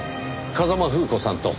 風間楓子さんと。